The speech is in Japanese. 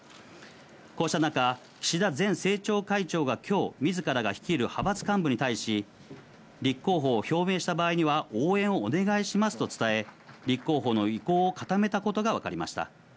こうした中、岸田前政調会長がきょう、みずからが率いる派閥幹部に対し、立候補を表明した場合には、応援をお願いしますと伝え、立候補の意向を固めたことが分かりました。